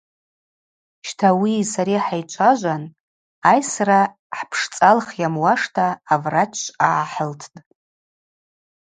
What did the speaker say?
Щта ауии сари хӏайчважван айсра хӏпшцӏалх йамуашта аврач швъа гӏахӏылттӏ.